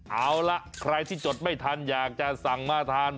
เอาล่ะใครที่จดไม่ทันอยากจะสั่งมาทาน